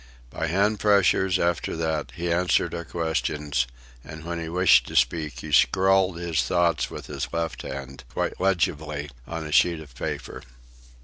By hand pressures, after that, he answered our questions, and when he wished to speak he scrawled his thoughts with his left hand, quite legibly, on a sheet of paper.